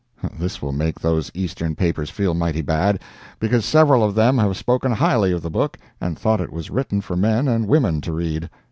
This will make those Eastern papers feel mighty bad, because several of them have spoken highly of the book and thought it was written for men and women to read.